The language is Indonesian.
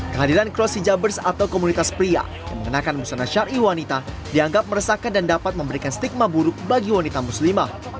kehadiran cross hijabers atau komunitas pria yang mengenakan busana syari wanita dianggap meresahkan dan dapat memberikan stigma buruk bagi wanita muslimah